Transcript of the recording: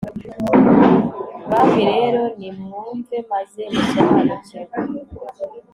bami rero, nimwumve maze musobanukirwe